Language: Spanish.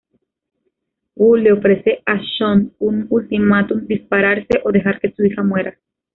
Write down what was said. Wu le ofrece a Zhong un ultimátum: dispararse o dejar que su hija muera.